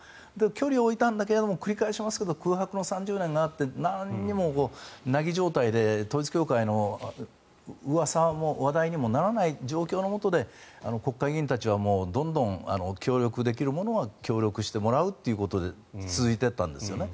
距離を置いたんだけれども繰り返しますが空白の３０年があってなんにも、凪状態で統一教会のうわさも話題にもならない状況のもとで国会議員たちはどんどん協力できるものは協力してもらうということで続いていったんですよね。